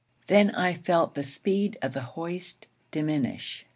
Then I felt the speed of the 'hoist' diminish.